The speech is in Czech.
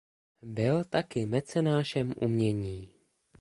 Byl taky mecenášem umění.